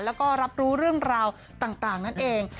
แล้วก็รับรู้เรื่องราวต่างนั่นเอง